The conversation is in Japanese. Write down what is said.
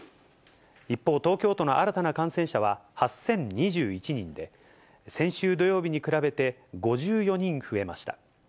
一方、東京都の新たな感染者は８０２１人で、先週土曜日に比べて５４人増えました。